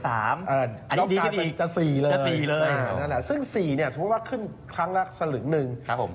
ลองการเป็นจะ๔เลยซึ่ง๔สมมุติว่าขึ้นครั้งละสลึกหนึ่ง